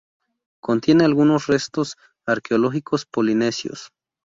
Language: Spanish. Contiene algunos restos arqueológicos polinesios.